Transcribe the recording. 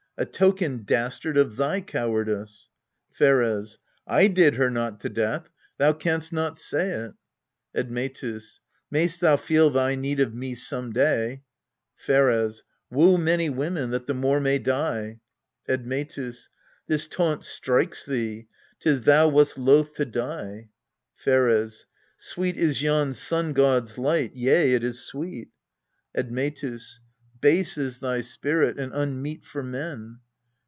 A token, dastard, of thy cowardice. Pheres. I did her not to death : thou canst not say it. Admetus. Mayst thou feel thy need of me some day ! Pheres. Woo many women, that the more may die. Admetus. This taunt strikes thee 'tis thou wast loath to die. Pheres. Sweet is yon sun god's light, yea, it is sweet. Admetus. Base is thy spirit, and unmeet for men.